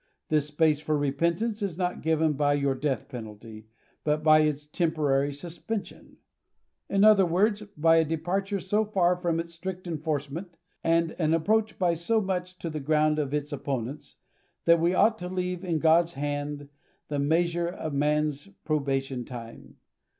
This space for repentance is not given by your death penalty, but by its temporary suspension ; in other words, by a depar ture so far from its strict enforcement, and an approach by so much to the ground of its opponents, that we ought to leave in God*s hand the measure of man's probation time.